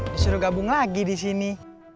disuruh gabung lagi di sini